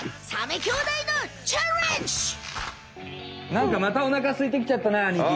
なんかまたおなかすいてきちゃったなあにき。